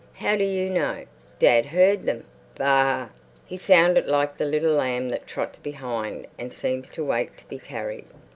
"How do you know?" "Dad heard them. Baa!" He sounded like the little lamb that trots behind and seems to wait to be carried.